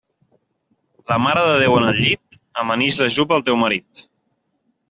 La Mare de Déu en el llit, amanix la jupa al teu marit.